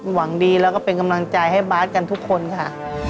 หวังดีแล้วก็เป็นกำลังใจให้บาทกันทุกคนค่ะ